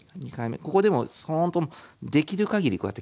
ここでもほんとできるかぎりこうやって切ります。